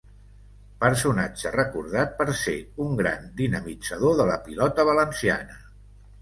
Personatge recordat per ser un gran dinamitzador de la Pilota valenciana.